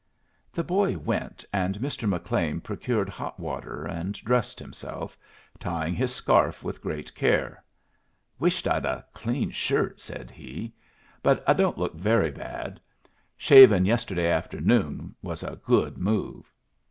The boy went, and Mr. McLean procured hot water and dressed himself, tying his scarf with great care. "Wished I'd a clean shirt," said he. "But I don't look very bad. Shavin' yesterday afternoon was a good move."